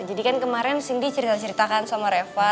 jadi kan kemarin sindi cerita ceritakan sama reva